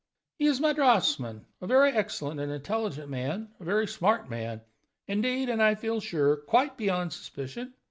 "He is my draughtsman a very excellent and intelligent man, a very smart man, indeed, and, I feel sure, quite beyond suspicion.